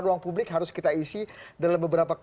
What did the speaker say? ruang publik harus kita isi dalam beberapa